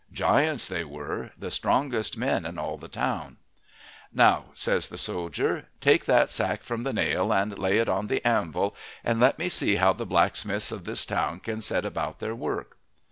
Giants they were, the strongest men in all the town. "Now," says the soldier, "take that sack from the nail and lay it on the anvil and let me see how the blacksmiths of this town can set about their work."